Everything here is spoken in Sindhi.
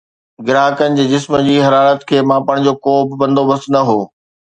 گراهڪن جي جسم جي حرارت کي ماپڻ جو ڪو به بندوبست نه هو